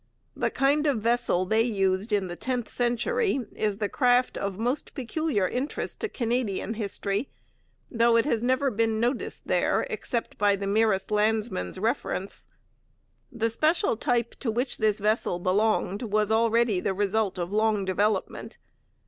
The kind of vessel they used in the tenth century is the craft of most peculiar interest to Canadian history, though it has never been noticed there except by the merest landsman's reference. The special type to which this vessel belonged was already the result of long development.